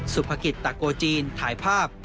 สุภกิจตะโกจีนถ่ายภาพ